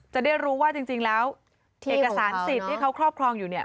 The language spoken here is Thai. จะได้รู้ว่าจริงแล้วเอกสารสิทธิ์ที่เขาครอบครองอยู่เนี่ย